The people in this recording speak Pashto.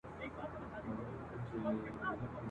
او موږ داسي ژوند وي کړی چي سي نورو ته پندونه !.